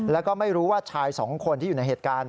แล้วก็ไม่รู้ว่าชายสองคนที่อยู่ในเหตุการณ์